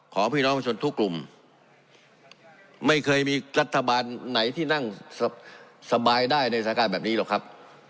ของพี่น้องประชาชนทุกกลุ่มไม่เคยมีรัฐบาลไหนที่นั่งสบายได้ในสถานการณ์แบบนี้หรอกครับ